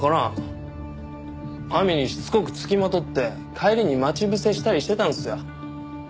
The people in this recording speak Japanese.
亜美にしつこく付きまとって帰りに待ち伏せしたりしてたんすよ。